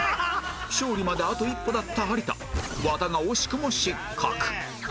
勝利まであと一歩だった有田和田が惜しくも失格